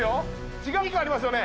違う肉がありますよね。